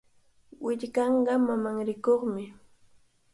Willkanqa mamanrikuqmi.